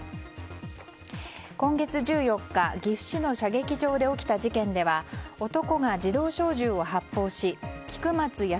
今月１４日岐阜市の射撃場で起きた事件では男が自動小銃を発砲し菊松安